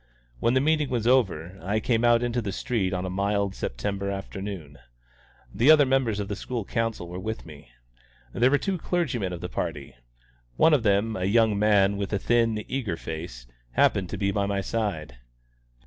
When the meeting was over, I came out into the street on a mild September afternoon. The other members of the School Council were with me. There were two clergymen of the party. One of them, a young man with thin, eager face, happened to be at my side.